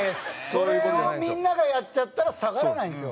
それをみんながやっちゃったら下がらないんですよ。